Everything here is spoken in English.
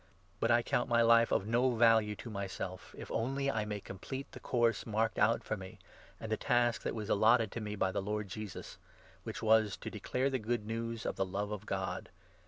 But I count my life of no value to myself, 24 if only I may complete the course marked out for me, and the task that was allotted me by the Lord Jesus — which was to declare the Good News of the Love of God.